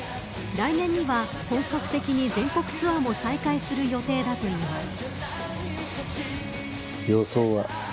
来年には、本格的に全国ツアーも再開する予定だといいます。